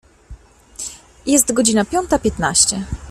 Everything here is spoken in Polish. Jest godzina piąta piętnaście.